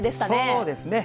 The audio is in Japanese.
そうですね。